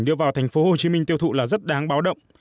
đưa vào tp hcm tiêu thụ là rất đáng báo động